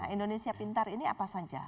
indonesia pintar ini apa saja